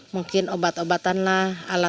mungkin obat obatan lain menurut pakhola